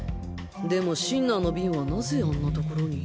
でもシンナーのビンはなぜあんなところに